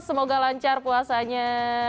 semoga lancar puasanya